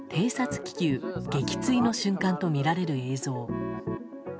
気球撃墜の瞬間とみられる映像。